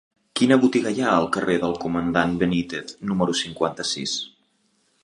Quina botiga hi ha al carrer del Comandant Benítez número cinquanta-sis?